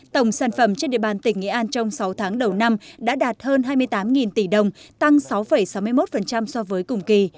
tổng sản phẩm trên địa bàn tỉnh nghệ an trong sáu tháng đầu năm đã đạt hơn hai mươi tám tỷ đồng tăng sáu sáu mươi một so với cùng kỳ